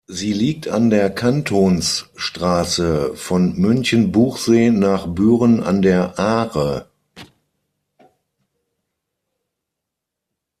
Sie liegt an der Kantonsstrasse von Münchenbuchsee nach Büren an der Aare.